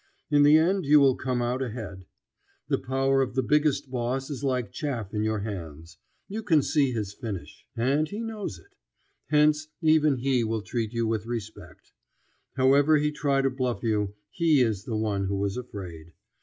In the end you will come out ahead. The power of the biggest boss is like chaff in your hands. You can see his finish. And he knows it. Hence, even he will treat you with respect. However he try to bluff you, he is the one who is afraid.